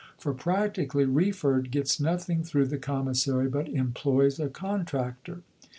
(For practically Wreford gets nothing through the Commissary, but employs a contractor.)